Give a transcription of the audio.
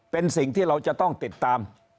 เป็นสิ่งที่เราจะต้องติดตาม